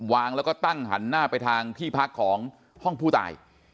วางแล้วก็ตั้งหันหน้าไปทางที่พักของห้องผู้ตาย